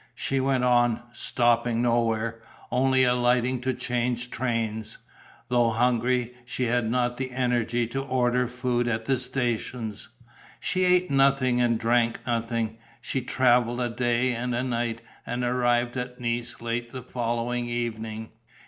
She went on, stopping nowhere, only alighting to change trains. Though hungry, she had not the energy to order food at the stations. She ate nothing and drank nothing. She travelled a day and a night and arrived at Nice late the following evening.